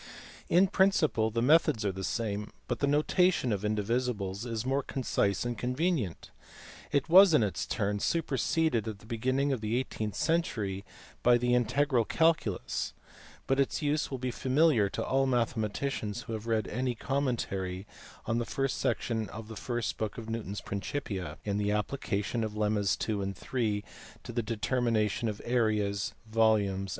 In principle the methods are the same, but the notation of indivisibles is more concise and convenient. It was in its turn superseded at the beginning of the eighteenth century by the integral calculus, but its use will be familiar to all mathematicians who have read any commentary on the first section of the first book of Newton s Principia in the appli cation of lemmas 2 and 3 to the determination of areas, volumes, &c.